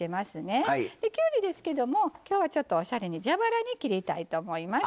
きゅうりですけどもきょうはちょっとおしゃれに蛇腹に切りたいと思います。